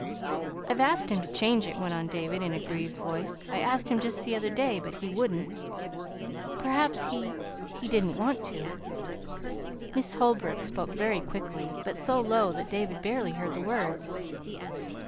"I've asked him to change it," went on David, in a grieved voice. "I asked him just the other day, but he wouldn't." "Perhaps he he didn't want to." Miss Holbrook spoke very quickly, but so low that David barely heard the words.